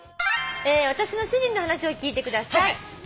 「私の主人の話を聞いてください」